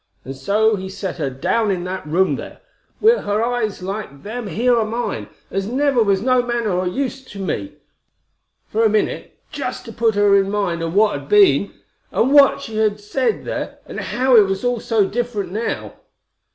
And so he set her down in that room there, wi' her eyes like them here o' mine, as never was no manner o' use to me, for a minute, jest to put her in mind o' what had been, and what she had said there, an' how it was all so different now.